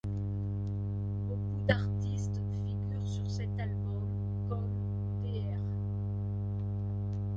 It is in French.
Beaucoup d'artistes figurent sur cet album comme Dr.